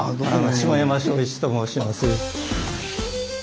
下山正一と申します。